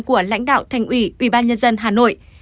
của lãnh đạo thành ủy ubnd hà nội